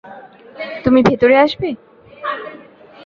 তুমি ভেতরে আসবে?